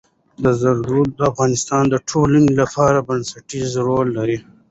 زردالو د افغانستان د ټولنې لپاره بنسټيز رول لري.